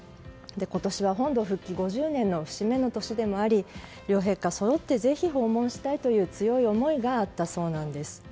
今年は本土復帰５０年の節目の年でもあり両陛下そろってぜひ訪問したいという強い思いがあったそうなんです。